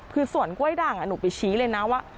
คือสวนกล้วยด่างหนูไปชี้เลยนะว่า